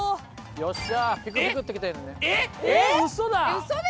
よっしゃ！